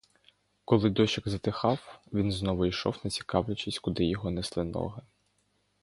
Коли дощик затихав, він знову йшов, не цікавлячись, куди його несли ноги.